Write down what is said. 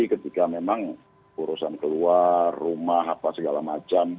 ketika memang urusan keluar rumah apa segala macam